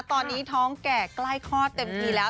ตอนนี้ท้องแก่ใกล้คลอดเต็มทีแล้ว